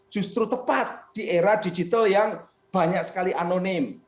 justru tepat di era digital yang banyak sekali anonim